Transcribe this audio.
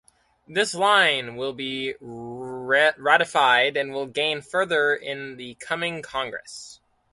This line will be ratified and will gain further in the coming Congress.